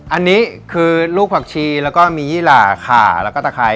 อันนี้คือลูกผักชีแล้วก็มียี่หล่าขาแล้วก็ตะไคร